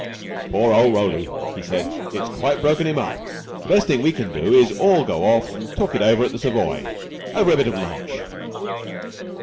"Poor old Roly!" he said. "It's quite broken him up. The best thing we can do is all to go off and talk it over at the Savoy, over a bit of lunch."